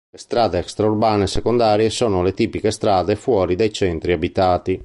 Le strade extraurbane secondarie sono le tipiche strade fuori dai centri abitati.